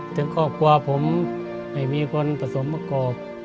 ถึงก็กลัวผมไม่มีคนผสมประกอบ